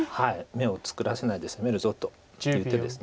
眼を作らせないで攻めるぞという手です。